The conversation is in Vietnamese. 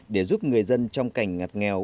để giúp người dân trong cảnh ngặt nghèo